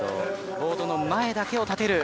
ボードの前だけを立てる。